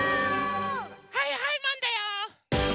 はいはいマンだよ！